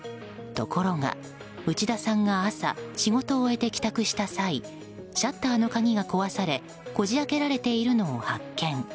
ところが、内田さんが朝仕事を終えて帰宅した際シャッターの鍵が壊されこじ開けられているのを発見。